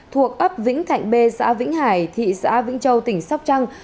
thuộc ấp vĩnh thạnh b xã vĩnh hải thị xã vĩnh châu tỉnh sóc trăng